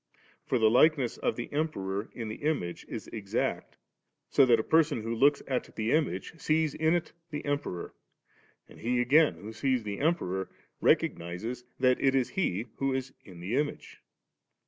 For the likeness of the Emperor in the image is exacts; so that a person who looks at the image, sees in it the Emperor; and he again who sees the Emperor, recognises that it is he who is in the image*.